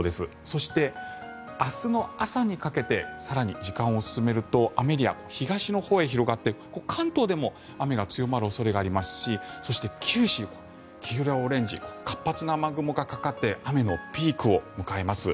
そして、明日の朝にかけて更に時間を進めると雨エリア、東のほうへ広がって関東でも雨が強まる恐れがありますしそして、九州黄色やオレンジ活発な雨雲がかかって雨のピークを迎えます。